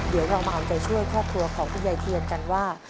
เดี๋ยวเรามาเอาใจช่วยครอบครัวของคุณยายเทียนกันว่า